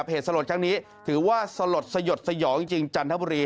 สลดครั้งนี้ถือว่าสลดสยดสยองจริงจันทบุรี